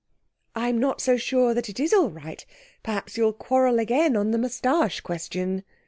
'I am not so sure that it is all right; perhaps you will quarrel again on the moustache question.'